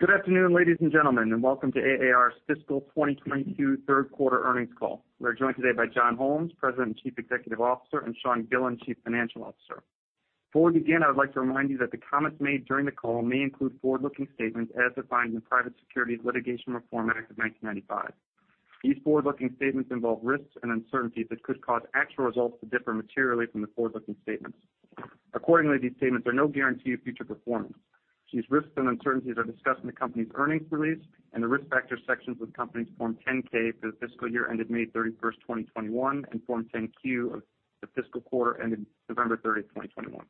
Good afternoon, ladies and gentlemen, and welcome to AAR's fiscal 2022 third quarter earnings call. We are joined today by John Holmes, President and Chief Executive Officer; and Sean Gillen, Chief Financial Officer. Before we begin, I would like to remind you that the comments made during the call may include forward-looking statements as defined in the Private Securities Litigation Reform Act of 1995. These forward-looking statements involve risks and uncertainties that could cause actual results to differ materially from the forward-looking statements. Accordingly, these statements are no guarantee of future performance. These risks and uncertainties are discussed in the company's earnings release and the Risk Factors sections of the company's Form 10-K for the fiscal year ended May 31st, 2021, and Form 10-Q of the fiscal quarter ended November 30th, 2021.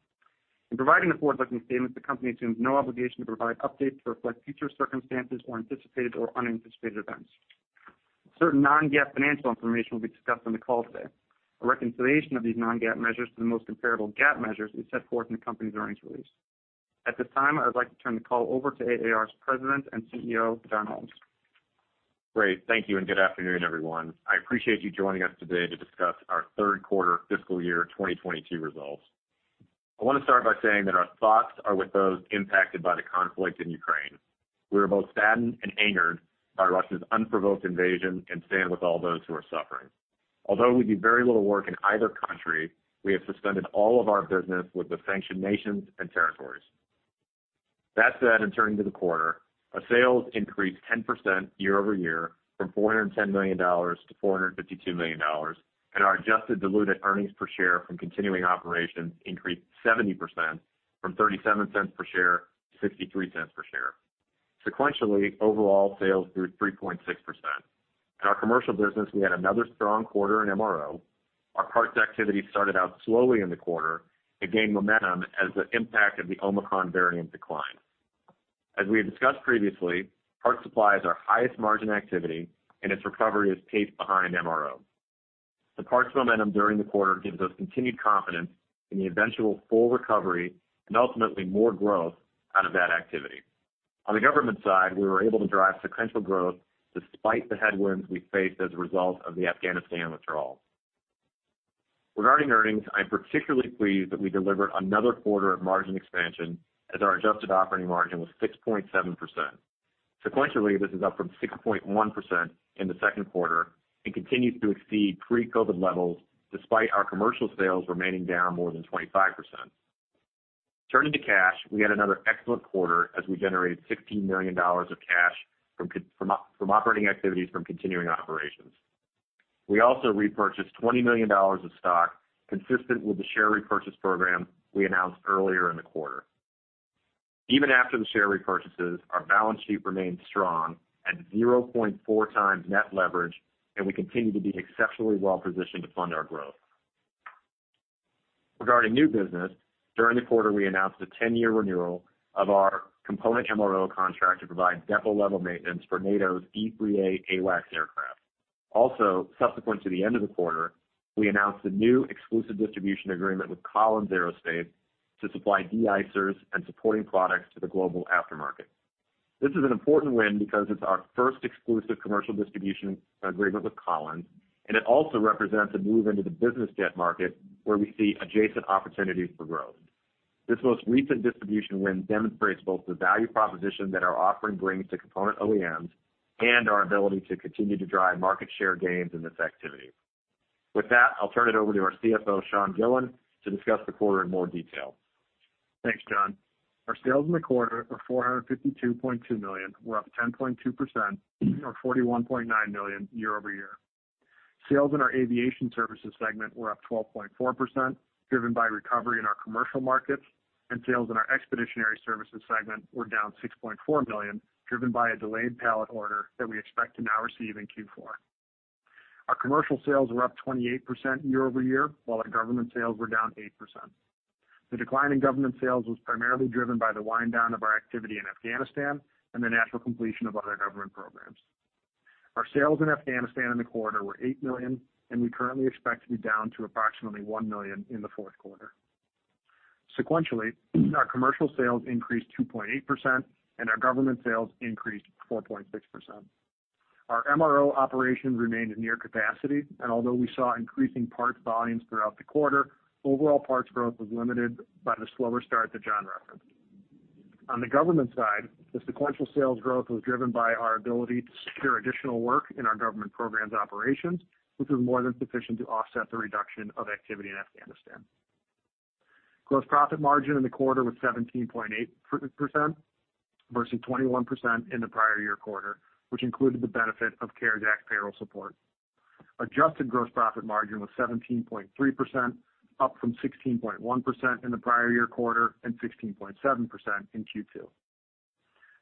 In providing the forward-looking statements, the company assumes no obligation to provide updates to reflect future circumstances or anticipated or unanticipated events. Certain non-GAAP financial information will be discussed on the call today. A reconciliation of these non-GAAP measures to the most comparable GAAP measures is set forth in the company's earnings release. At this time, I would like to turn the call over to AAR's President and CEO, John Holmes. Great. Thank you, and good afternoon, everyone. I appreciate you joining us today to discuss our third quarter fiscal year 2022 results. I want to start by saying that our thoughts are with those impacted by the conflict in Ukraine. We are both saddened and angered by Russia's unprovoked invasion and stand with all those who are suffering. Although we do very little work in either country, we have suspended all of our business with the sanctioned nations and territories. That said, in turning to the quarter, our sales increased 10% year-over-year from $410 million-$452 million, and our adjusted diluted earnings per share from continuing operations increased 70% from $0.37 cents per share to $0.63 cents per share. Sequentially, overall sales grew 3.6%. In our commercial business, we had another strong quarter in MRO. Our Parts activity started out slowly in the quarter and gained momentum as the impact of the Omicron variant declined. As we had discussed previously, Parts Supply is our highest margin activity, and its recovery has paced behind MRO. The parts momentum during the quarter gives us continued confidence in the eventual full recovery and ultimately more growth out of that activity. On the government side, we were able to drive sequential growth despite the headwinds we faced as a result of the Afghanistan withdrawal. Regarding earnings, I'm particularly pleased that we delivered another quarter of margin expansion as our adjusted operating margin was 6.7%. Sequentially, this is up from 6.1% in the second quarter and continues to exceed pre-COVID levels despite our commercial sales remaining down more than 25%. Turning to cash, we had another excellent quarter as we generated $16 million of cash from operating activities from continuing operations. We also repurchased $20 million of stock consistent with the share repurchase program we announced earlier in the quarter. Even after the share repurchases, our balance sheet remains strong at 0.4x net leverage, and we continue to be exceptionally well-positioned to fund our growth. Regarding new business, during the quarter, we announced a 10-year renewal of our component MRO contract to provide depot-level maintenance for NATO's E-3A AWACS aircraft. Also, subsequent to the end of the quarter, we announced a new exclusive distribution agreement with Collins Aerospace to supply de-icers and supporting products to the global aftermarket. This is an important win because it's our first exclusive commercial distribution agreement with Collins, and it also represents a move into the business jet market where we see adjacent opportunities for growth. This most recent distribution win demonstrates both the value proposition that our offering brings to component OEMs and our ability to continue to drive market share gains in this activity. With that, I'll turn it over to our CFO, Sean Gillen, to discuss the quarter in more detail. Thanks, John. Our sales in the quarter were $452.2 million, up 10.2% or $41.9 million year-over-year. Sales in our Aviation Services segment were up 12.4%, driven by recovery in our commercial markets, and sales in our Expeditionary Services segment were down $6.4 million, driven by a delayed pallet order that we expect to now receive in Q4. Our commercial sales were up 28% year-over-year, while our government sales were down 8%. The decline in government sales was primarily driven by the wind down of our activity in Afghanistan and the natural completion of other government programs. Our sales in Afghanistan in the quarter were $8 million, and we currently expect to be down to approximately $1 million in the fourth quarter. Sequentially, our commercial sales increased 2.8% and our government sales increased 4.6%. Our MRO operations remained at near capacity, and although we saw increasing parts volumes throughout the quarter, overall parts growth was limited by the slower start that John referenced. On the government side, the sequential sales growth was driven by our ability to secure additional work in our government programs operations, which was more than sufficient to offset the reduction of activity in Afghanistan. Gross profit margin in the quarter was 17.8% versus 21% in the prior year quarter, which included the benefit of CARES Act payroll support. Adjusted gross profit margin was 17.3%, up from 16.1% in the prior year quarter and 16.7% in Q2.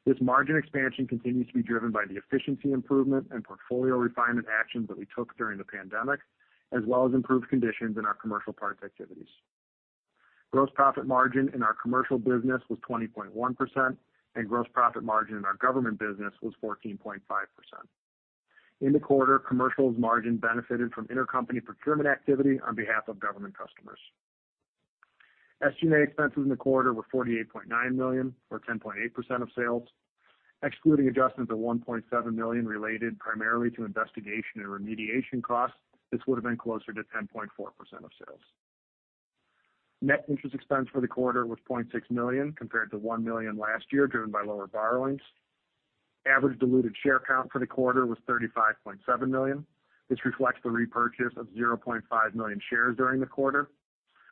This margin expansion continues to be driven by the efficiency improvement and portfolio refinement actions that we took during the pandemic, as well as improved conditions in our commercial parts activities. Gross profit margin in our commercial business was 20.1%, and gross profit margin in our government business was 14.5%. In the quarter, commercial margin benefited from intercompany procurement activity on behalf of government customers. SG&A expenses in the quarter were $48.9 million or 10.8% of sales. Excluding adjustments of $1.7 million related primarily to investigation and remediation costs, this would have been closer to 10.4% of sales. Net interest expense for the quarter was $0.6 million compared to $1 million last year, driven by lower borrowings. Average diluted share count for the quarter was 35.7 million. This reflects the repurchase of 0.5 million shares during the quarter.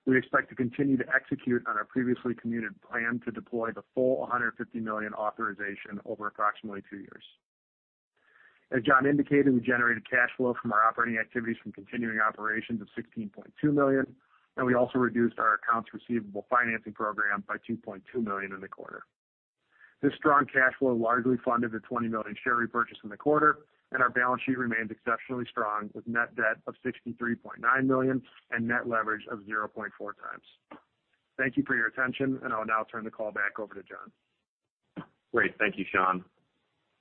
We expect to continue to execute on our previously communicated plan to deploy the full $150 million authorization over approximately two years. As John indicated, we generated cash flow from our operating activities from continuing operations of $16.2 million, and we also reduced our accounts receivable financing program by $2.2 million in the quarter. This strong cash flow largely funded the $20 million share repurchase in the quarter, and our balance sheet remains exceptionally strong, with net debt of $63.9 million and net leverage of 0.4x. Thank you for your attention, and I'll now turn the call back over to John. Great. Thank you, Sean.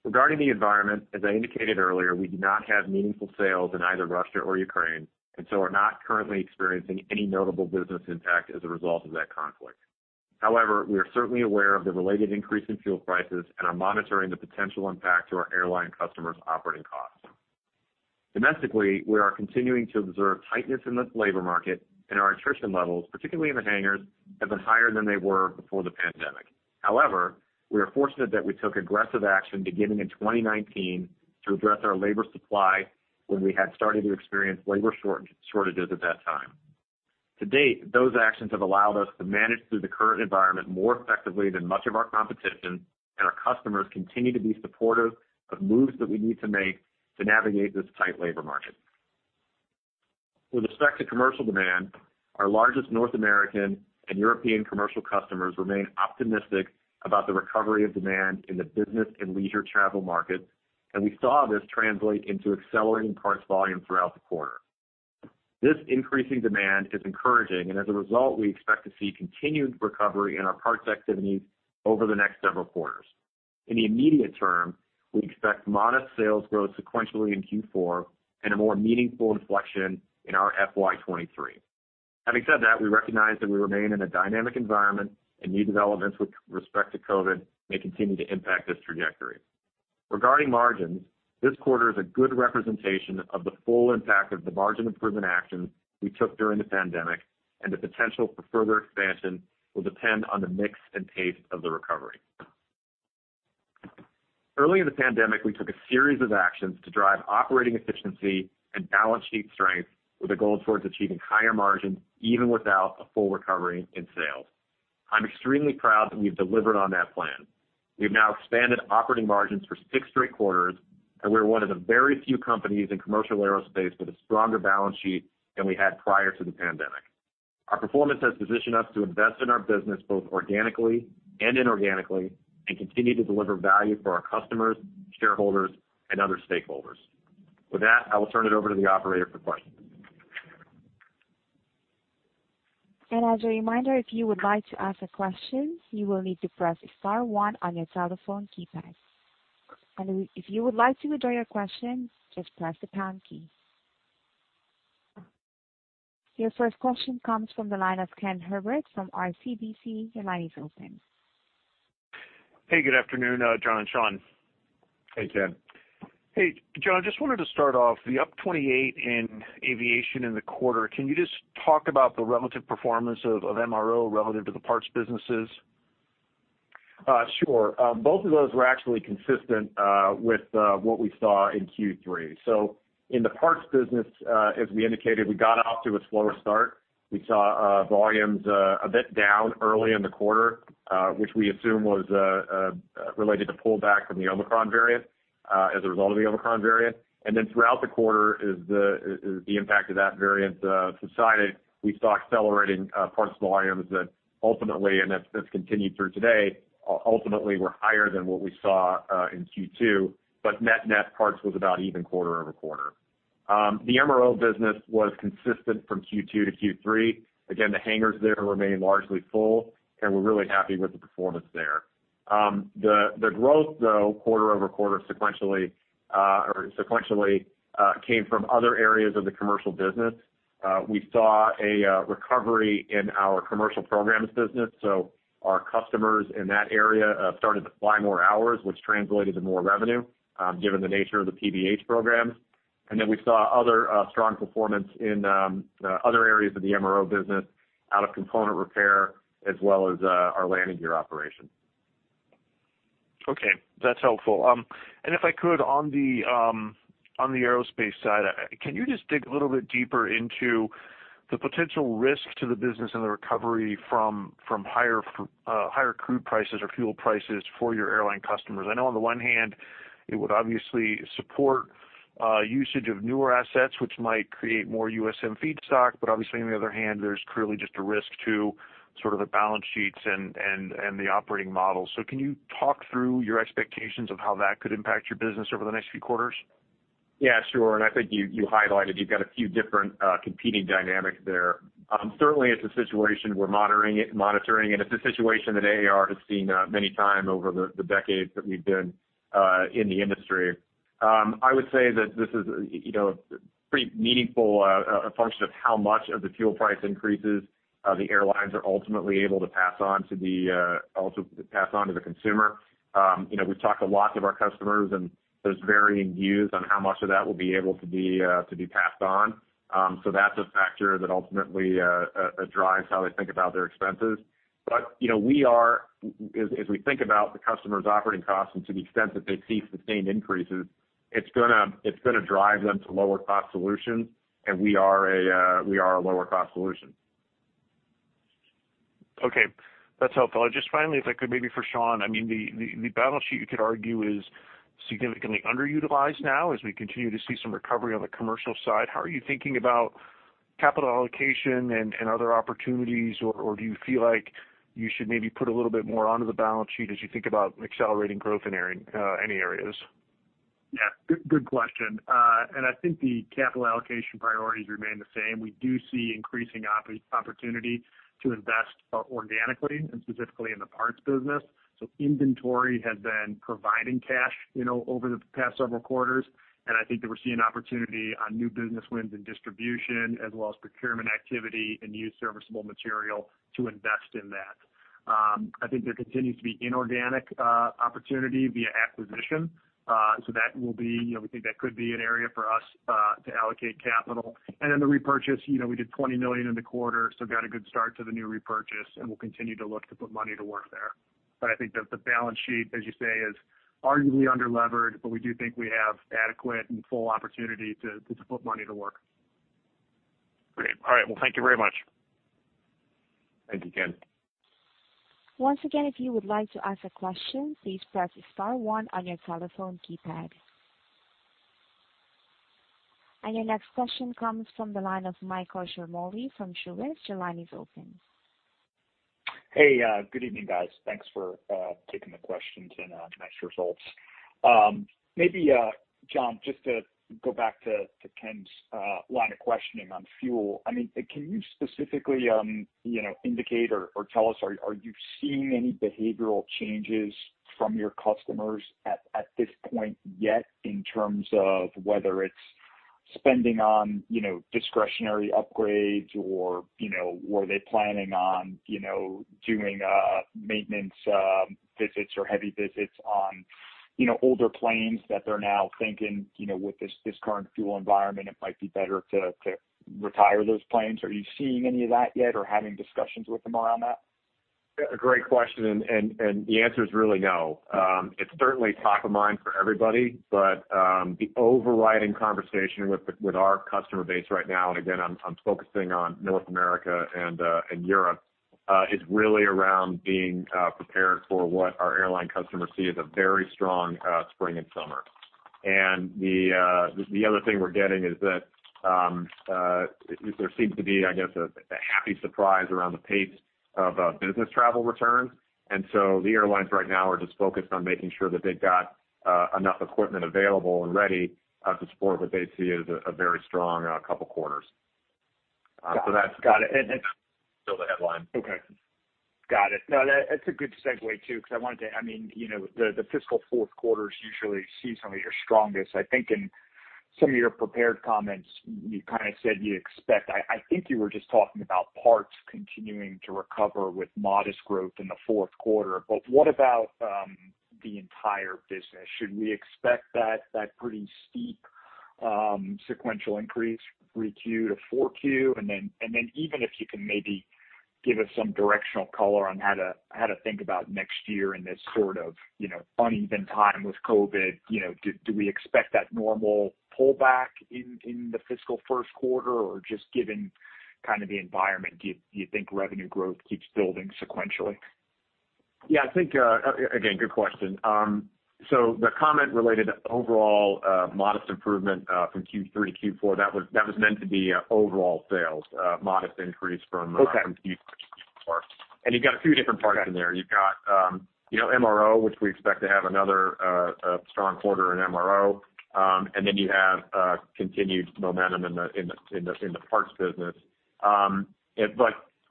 Regarding the environment, as I indicated earlier, we do not have meaningful sales in either Russia or Ukraine, and so are not currently experiencing any notable business impact as a result of that conflict. However, we are certainly aware of the related increase in fuel prices and are monitoring the potential impact to our airline customers' operating costs. Domestically, we are continuing to observe tightness in the labor market, and our attrition levels, particularly in the hangars, have been higher than they were before the pandemic. However, we are fortunate that we took aggressive action beginning in 2019 to address our labor supply when we had started to experience labor shortages at that time. To date, those actions have allowed us to manage through the current environment more effectively than much of our competition, and our customers continue to be supportive of moves that we need to make to navigate this tight labor market. With respect to commercial demand, our largest North American and European commercial customers remain optimistic about the recovery of demand in the business and leisure travel markets, and we saw this translate into accelerating parts volume throughout the quarter. This increasing demand is encouraging, and as a result, we expect to see continued recovery in our parts activities over the next several quarters. In the immediate term, we expect modest sales growth sequentially in Q4 and a more meaningful inflection in our FY 2023. Having said that, we recognize that we remain in a dynamic environment, and new developments with respect to COVID may continue to impact this trajectory. Regarding margins, this quarter is a good representation of the full impact of the margin improvement actions we took during the pandemic, and the potential for further expansion will depend on the mix and pace of the recovery. Early in the pandemic, we took a series of actions to drive operating efficiency and balance sheet strength with a goal towards achieving higher margins, even without a full recovery in sales. I'm extremely proud that we've delivered on that plan. We've now expanded operating margins for six straight quarters, and we're one of the very few companies in commercial aerospace with a stronger balance sheet than we had prior to the pandemic. Our performance has positioned us to invest in our business, both organically and inorganically, and continue to deliver value for our customers, shareholders, and other stakeholders. With that, I will turn it over to the operator for questions. As a reminder, if you would like to ask a question, you will need to press star one on your telephone keypad. If you would like to withdraw your question, just press the pound key. Your first question comes from the line of Ken Herbert from RBC Capital Markets. Hey, good afternoon, John and Sean. Hey, Ken. Hey, John, just wanted to start off with the up 28% in Aviation in the quarter. Can you just talk about the relative performance of MRO relative to the Parts businesses? Sure. Both of those were actually consistent with what we saw in Q3. In the Parts business, as we indicated, we got off to a slower start. We saw volumes a bit down early in the quarter, which we assume was related to pull back from the Omicron variant, as a result of the Omicron variant. Then throughout the quarter as the impact of that variant subsided, we saw accelerating parts volumes that ultimately, and that's continued through today, ultimately were higher than what we saw in Q2. Net net parts was about even quarter-over-quarter. The MRO business was consistent from Q2 to Q3. Again, the hangars there remain largely full, and we're really happy with the performance there. The growth, though, quarter-over-quarter sequentially, or sequentially, came from other areas of the commercial business. We saw a recovery in our commercial programs business. Our customers in that area started to fly more hours, which translated to more revenue, given the nature of the PBH programs. We saw other strong performance in other areas of the MRO business out of component repair as well as our landing gear operation. Okay, that's helpful. If I could on the aerospace side, can you just dig a little bit deeper into the potential risk to the business and the recovery from higher crude prices or fuel prices for your airline customers? I know on the one hand, it would obviously support usage of newer assets, which might create more USM feedstock. Obviously on the other hand, there's clearly just a risk to sort of the balance sheets and the operating model. Can you talk through your expectations of how that could impact your business over the next few quarters? Yeah, sure. I think you highlighted you've got a few different competing dynamics there. Certainly it's a situation we're monitoring, and it's a situation that AAR has seen many times over the decades that we've been in the industry. I would say that this is, you know, pretty meaningful, a function of how much of the fuel price increases the airlines are ultimately able to pass on to the consumer. You know, we've talked to lots of our customers, and there's varying views on how much of that will be able to be passed on. That's a factor that ultimately drives how they think about their expenses. You know, as we think about the customer's operating costs and to the extent that they see sustained increases, it's gonna drive them to lower cost solutions, and we are a lower cost solution. Okay, that's helpful. Just finally, if I could, maybe for Sean. I mean, the balance sheet, you could argue, is significantly underutilized now as we continue to see some recovery on the commercial side. How are you thinking about capital allocation and other opportunities, or do you feel like you should maybe put a little bit more onto the balance sheet as you think about accelerating growth in AAR, any areas? Yeah, good question. I think the capital allocation priorities remain the same. We do see increasing opportunity to invest organically, and specifically in the Parts business. Inventory has been providing cash, you know, over the past several quarters. I think that we're seeing opportunity on new business wins and distribution as well as procurement activity and used serviceable material to invest in that. I think there continues to be inorganic opportunity via acquisition. That will be, you know, we think that could be an area for us to allocate capital. Then the repurchase, you know, we did $20 million in the quarter, so got a good start to the new repurchase, and we'll continue to look to put money to work there. I think that the balance sheet, as you say, is arguably underlevered, but we do think we have adequate and full opportunity to put money to work. Great. All right. Well, thank you very much. Thank you, Ken. Once again, if you would like to ask a question, please press star one on your telephone keypad. Your next question comes from the line of Michael Ciarmoli from Truist. Your line is open. Hey, good evening, guys. Thanks for taking the questions and nice results. Maybe, John, just to go back to Ken's line of questioning on fuel. I mean, can you specifically, you know, indicate or tell us, are you seeing any behavioral changes from your customers at this point yet in terms of whether it's spending on, you know, discretionary upgrades or, you know, were they planning on, you know, doing maintenance visits or heavy visits on, you know, older planes that they're now thinking, you know, with this current fuel environment, it might be better to retire those planes? Are you seeing any of that yet or having discussions with them around that? A great question, and the answer is really no. It's certainly top of mind for everybody, but the overriding conversation with our customer base right now, and again, I'm focusing on North America and Europe, is really around being prepared for what our airline customers see as a very strong spring and summer. The other thing we're getting is that there seems to be, I guess, a happy surprise around the pace of business travel return. The airlines right now are just focused on making sure that they've got enough equipment available and ready to support what they see as a very strong couple quarters. Got it. Still the headline. Okay. Got it. No, that's a good segue too, because I mean, you know, the fiscal fourth quarters usually see some of your strongest. I think in some of your prepared comments, you kinda said you expect I think you were just talking about parts continuing to recover with modest growth in the fourth quarter. What about the entire business? Should we expect that pretty steep sequential increase 3Q to 4Q? Even if you can maybe give us some directional color on how to think about next year in this sort of you know, uneven time with COVID, you know, do we expect that normal pullback in the fiscal first quarter, or just given kind of the environment, do you think revenue growth keeps building sequentially? Yeah, I think, again, good question. The comment related overall, modest improvement, from Q3 to Q4, that was meant to be, overall sales, modest increase from Q3 to Q4. Okay. You've got a few different parts in there. You've got, you know, MRO, which we expect to have another strong quarter in MRO. Then you have continued momentum in the Parts business.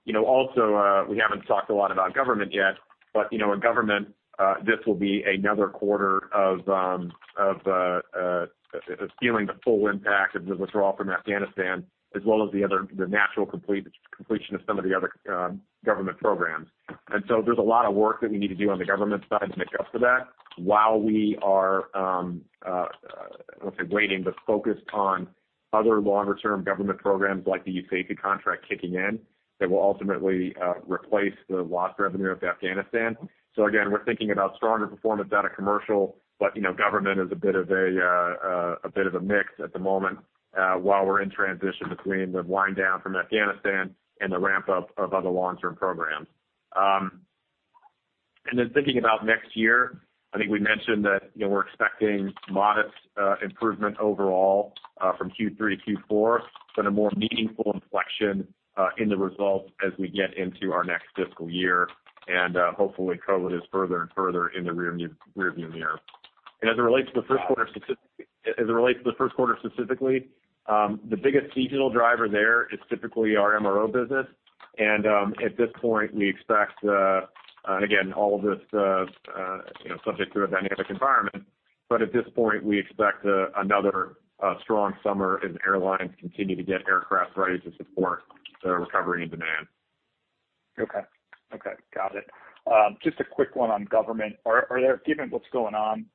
You know, also, we haven't talked a lot about government yet. You know, in government, this will be another quarter of feeling the full impact of the withdrawal from Afghanistan, as well as the natural completion of some of the other government programs. There's a lot of work that we need to do on the government side to make up for that while we are, I won't say waiting, but focused on other longer-term government programs like the USAFE contract kicking in that will ultimately replace the lost revenue of Afghanistan. We're thinking about stronger performance out of commercial, but, you know, government is a bit of a mix at the moment, while we're in transition between the wind down from Afghanistan and the ramp up of other long-term programs. Thinking about next year, I think we mentioned that, you know, we're expecting modest improvement overall from Q3 to Q4, but a more meaningful inflection in the results as we get into our next fiscal year. Hopefully, COVID is further and further in the rearview mirror. As it relates to the first quarter specifically, the biggest seasonal driver there is typically our MRO business. At this point, we expect, and again, all of this, you know, subject to a dynamic environment. At this point, we expect another strong summer as airlines continue to get aircraft ready to support the recovery in demand. Okay. Got it. Just a quick one on government. Are there, given what's going on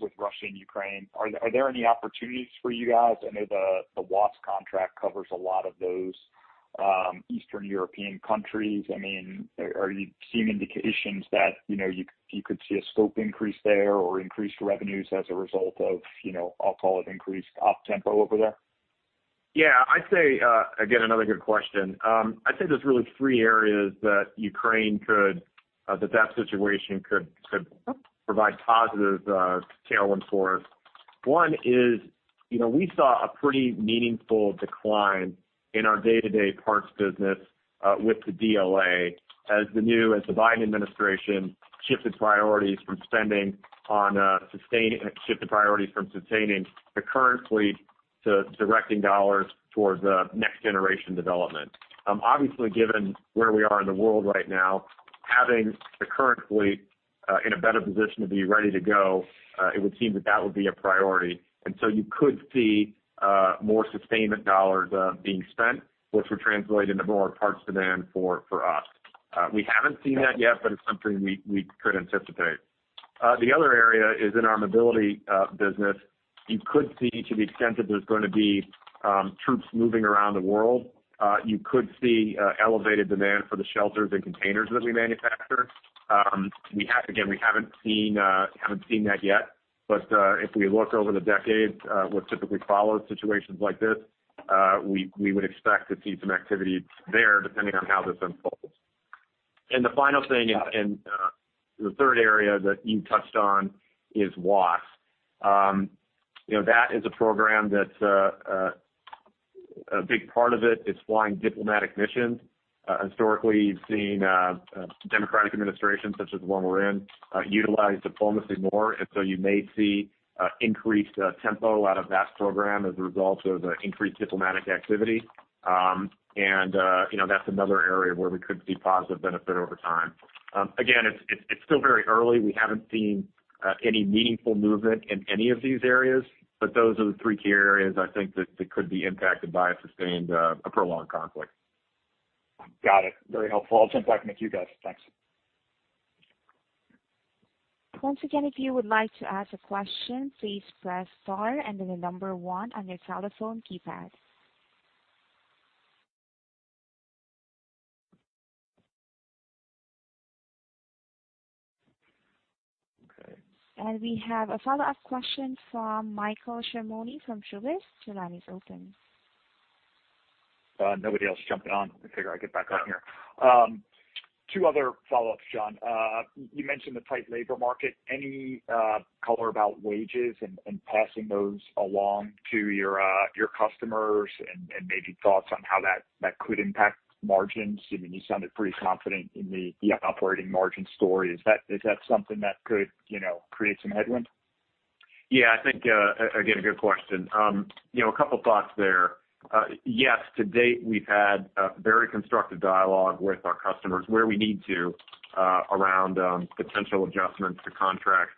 with Russia and Ukraine, any opportunities for you guys? I know the WASS contract covers a lot of those Eastern European countries. I mean, are you seeing indications that you could see a scope increase there or increased revenues as a result of, you know, I'll call it increased op tempo over there? Yeah, I'd say, again, another good question. I'd say there's really three areas that Ukraine situation could provide positive tailwinds for us. One is, you know, we saw a pretty meaningful decline in our day-to-day Parts business with the DLA as the Biden administration shifted priorities from sustaining the current fleet to directing dollars towards next generation development. Obviously, given where we are in the world right now, having the current fleet in a better position to be ready to go, it would seem that would be a priority. You could see more sustainment dollars being spent, which would translate into more parts demand for us. We haven't seen that yet, but it's something we could anticipate. The other area is in our mobility business. You could see to the extent that there's gonna be troops moving around the world, you could see elevated demand for the shelters and containers that we manufacture. Again, we haven't seen that yet. But if we look over the decades, what typically follows situations like this, we would expect to see some activity there depending on how this unfolds. The final thing and the third area that you touched on is WASS. You know, that is a program that a big part of it is flying diplomatic missions. Historically, you've seen Democratic administrations, such as the one we're in, utilize diplomacy more, and so you may see increased tempo out of that program as a result of increased diplomatic activity. You know, that's another area where we could see positive benefit over time. Again, it's still very early. We haven't seen any meaningful movement in any of these areas, but those are the three key areas I think that could be impacted by a sustained prolonged conflict. Got it. Very helpful. I'll jump back in with you guys. Thanks. Once again, if you would like to ask a question, please press star and then the number one on your telephone keypad. We have a follow-up question from Michael Ciarmoli from Truist. Your line is open. Nobody else jumping on. I figure I'd get back on here. Two other follow-ups, John. You mentioned the tight labor market. Any color about wages and passing those along to your customers and maybe thoughts on how that could impact margins? I mean, you sounded pretty confident in the operating margin story. Is that something that could, you know, create some headwinds? Yeah, I think a good question. You know, a couple thoughts there. Yes, to date, we've had a very constructive dialogue with our customers where we need to around potential adjustments to contracts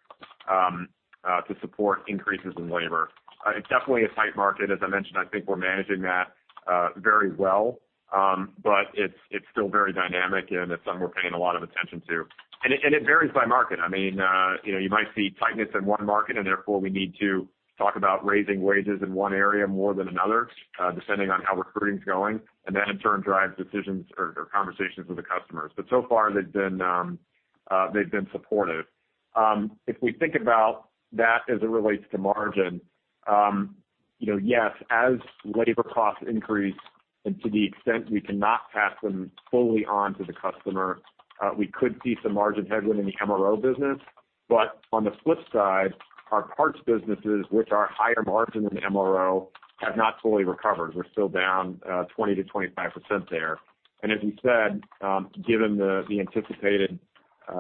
to support increases in labor. It's definitely a tight market. As I mentioned, I think we're managing that very well. It's still very dynamic, and it's something we're paying a lot of attention to. It varies by market. I mean, you know, you might see tightness in one market, and therefore we need to talk about raising wages in one area more than another depending on how recruiting is going, and that in turn drives decisions or conversations with the customers. So far they've been supportive. If we think about that as it relates to margin, you know, yes, as labor costs increase and to the extent we cannot pass them fully on to the customer, we could see some margin headwind in the MRO business. On the flip side, our Parts businesses, which are higher margin than MRO, have not fully recovered. We're still down 20%-25% there. As you said, given the anticipated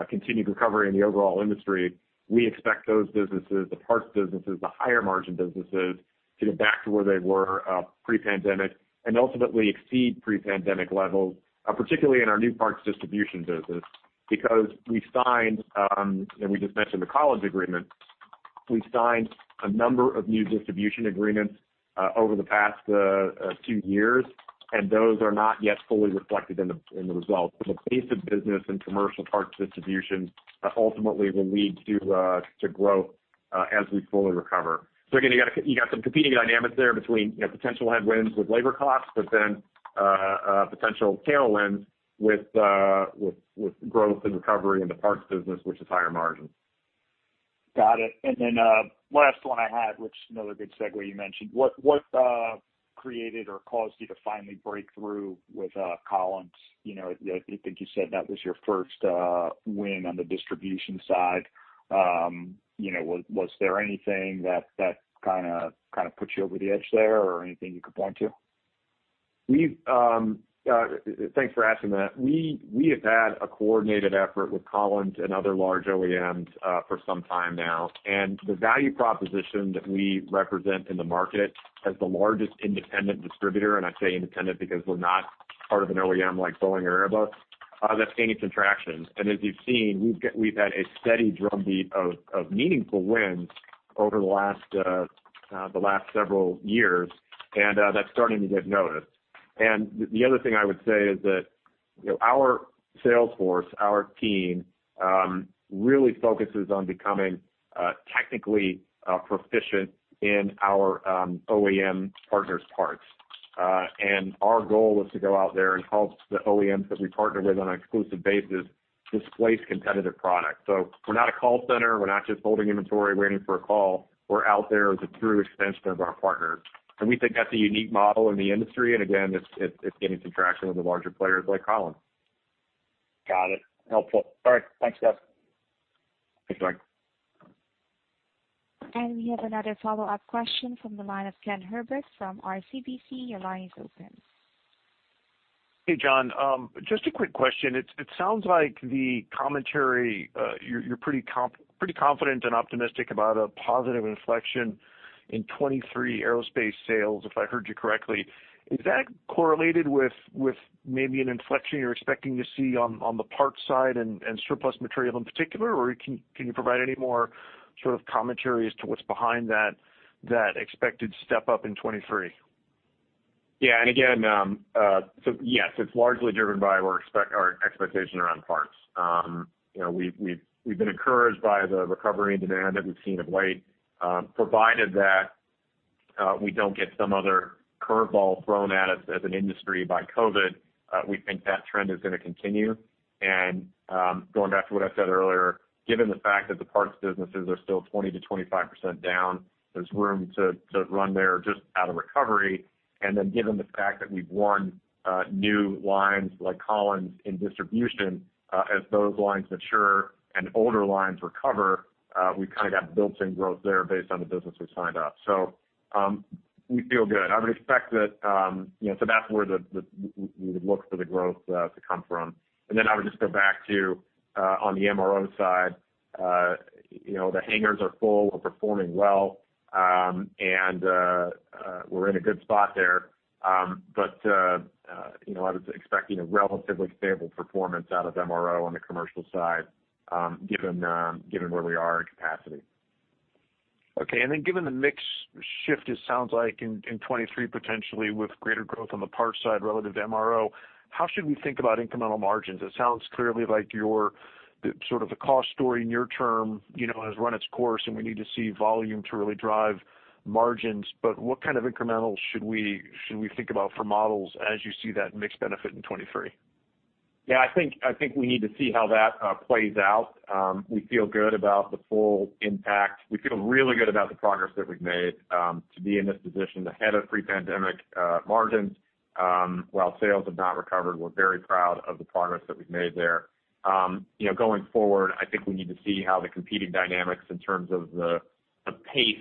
continued recovery in the overall industry, we expect those businesses, the Parts businesses, the higher margin businesses to get back to where they were pre-pandemic and ultimately exceed pre-pandemic levels, particularly in our new parts distribution business. Because we signed, and we just mentioned the Collins agreement. We signed a number of new distribution agreements over the past two years, and those are not yet fully reflected in the results. The pace of business and commercial parts distribution ultimately will lead to growth as we fully recover. Again, you got some competing dynamics there between, you know, potential headwinds with labor costs, but then potential tailwinds with growth and recovery in the Parts business, which is higher margin. Got it. Last one I had, which is another good segue you mentioned. What created or caused you to finally break through with Collins? You know, I think you said that was your first win on the distribution side. You know, was there anything that kinda put you over the edge there or anything you could point to? Thanks for asking that. We have had a coordinated effort with Collins and other large OEMs for some time now. The value proposition that we represent in the market as the largest independent distributor, and I say independent because we're not part of an OEM like Boeing or Airbus, that's gaining some traction. As you've seen, we've had a steady drumbeat of meaningful wins over the last several years, and that's starting to get noticed. The other thing I would say is that, you know, our sales force, our team really focuses on becoming technically proficient in our OEM partners' parts. Our goal is to go out there and help the OEMs that we partner with on an exclusive basis displace competitive products. We're not a call center. We're not just holding inventory waiting for a call. We're out there as a true extension of our partners. We think that's a unique model in the industry, and again, it's gaining some traction with the larger players like Collins. Got it. Helpful. All right. Thanks, Jeff. Thanks, Mike. We have another follow-up question from the line of Ken Herbert from RBC. Your line is open. Hey, John. Just a quick question. It sounds like the commentary, you're pretty confident and optimistic about a positive inflection in 2023 Aerospace sales, if I heard you correctly. Is that correlated with maybe an inflection you're expecting to see on the parts side and surplus material in particular? Or can you provide any more sort of commentary as to what's behind that expected step-up in 2023? Yeah. Again, so yes, it's largely driven by our expectation around parts. You know, we've been encouraged by the recovery in demand that we've seen of late, provided that we don't get some other curveball thrown at us as an industry by COVID. We think that trend is gonna continue. Going back to what I said earlier, given the fact that the Parts businesses are still 20%-25% down, there's room to run there just out of recovery. Given the fact that we've won new lines like Collins in distribution, as those lines mature and older lines recover, we've kinda got built-in growth there based on the business we've signed up. We feel good. I would expect that, you know. That's where we would look for the growth to come from. I would just go back to on the MRO side, you know, the hangars are full. We're performing well and we're in a good spot there. You know, I'd expect, you know, relatively stable performance out of MRO on the commercial side, given where we are in capacity. Okay. Given the mix shift, it sounds like in 2023, potentially with greater growth on the parts side relative to MRO, how should we think about incremental margins? It sounds clearly like your the sort of the cost story near term, you know, has run its course, and we need to see volume to really drive margins. What kind of incrementals should we think about for models as you see that mix benefit in 2023? Yeah. I think we need to see how that plays out. We feel good about the full impact. We feel really good about the progress that we've made to be in this position ahead of pre-pandemic margins. While sales have not recovered, we're very proud of the progress that we've made there. You know, going forward, I think we need to see how the competing dynamics in terms of the pace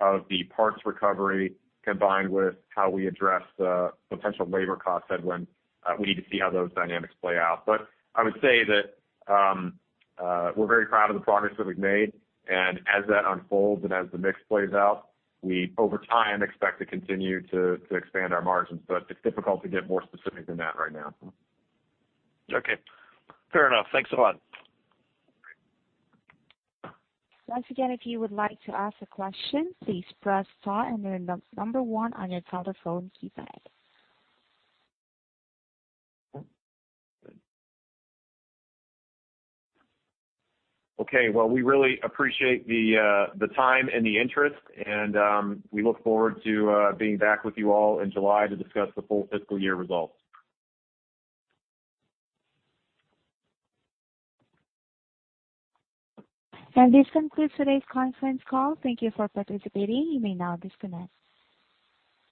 of the parts recovery combined with how we address the potential labor cost headwind, we need to see how those dynamics play out. I would say that we're very proud of the progress that we've made, and as that unfolds and as the mix plays out, we over time expect to continue to expand our margins. It's difficult to get more specific than that right now. Okay. Fair enough. Thanks a lot. Once again, if you would like to ask a question, please press star and then number one on your telephone keypad. Okay. Well, we really appreciate the time and the interest, and we look forward to being back with you all in July to discuss the full fiscal year results. This concludes today's conference call. Thank you for participating. You may now disconnect.